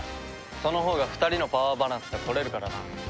そのほうが２人のパワーバランスが取れるからな。